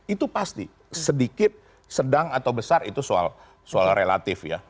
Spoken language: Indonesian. itu pasti sedikit sedang atau besar itu soal relatif ya